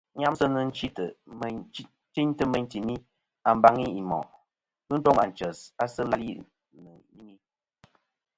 Nyamsɨ nɨ̂n chintɨ meyn timi a mbaŋi i moʼ. Ghɨ toŋ ànchès, sɨ làlì nɨ̀ ìnyɨŋi.